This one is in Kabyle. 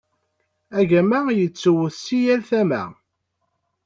Agama yettwet si yal tama.